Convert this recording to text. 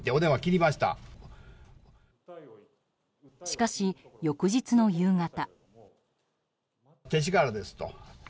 しかし、翌日の夕方。